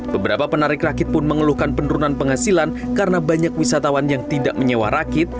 beberapa penarik rakit pun mengeluhkan penurunan penghasilan karena banyak wisatawan yang tidak menyewa rakit